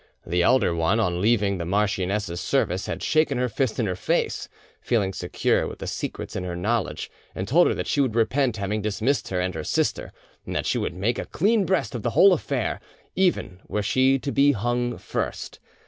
The elder one, on leaving the marchioness's service, had shaken her fist in her face, feeling secure with the secrets in her knowledge, and told her that she would repent having dismissed her and her sister, and that she would make a clean breast of the whole affair, even were she to be hung first.